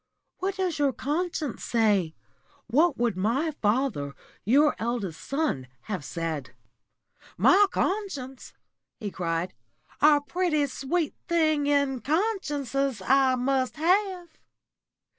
What does your conscience say? What would my father, your eldest son, have said?" "My conscience!" he cried, "a pretty sweet thing in consciences I must have!